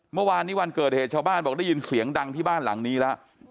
เมื่อวานนี้วันเกิดเหตุชาวบ้านบอกได้ยินเสียงดังที่บ้านหลังนี้แล้ว